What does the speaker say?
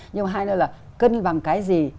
nhưng hai nữa là cân bằng cái gì